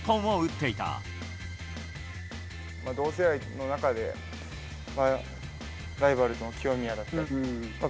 同世代の中で、ライバルの清宮だった。